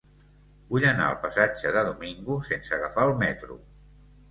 Vull anar al passatge de Domingo sense agafar el metro.